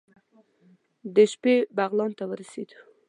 د شپې بغلان ته ورسېدو.